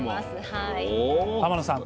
天野さん